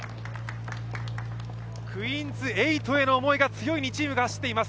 クイーンズ８への思いが強い２チームが走っています。